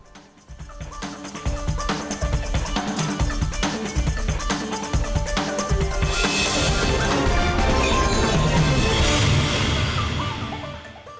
kami akan segera kembali setelah jeda berikut